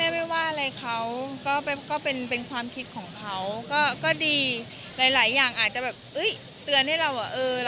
ไม่ว่าอะไรเขาก็เป็นความคิดของเขาก็ดีหลายอย่างอาจจะแบบเตือนให้เราอ่ะเออ